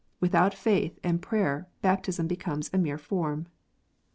Without faith and prayer baptism becomes a mere form.